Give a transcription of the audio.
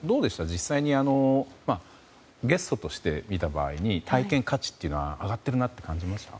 実際にゲストとして見た場合に体験価値というのは上がってるなと感じました？